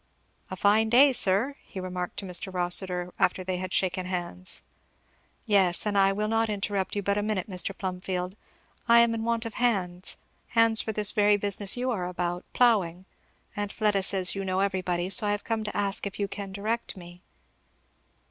"A fine day, sir," he remarked to Mr. Rossitur after they had shaken hands. "Yes, and I will not interrupt you but a minute. Mr. Plumfield, I am in want of hands, hands for this very business you are about, ploughing, and Fleda says you know everybody; so I have come to ask if you can direct me."